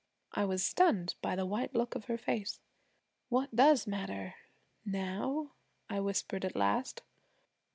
I was stunned by the white look of her face. 'What does matter now?' I whispered at last.